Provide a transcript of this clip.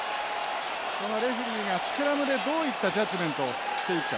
このレフェリーがスクラムでどういったジャッジメントをしていくか。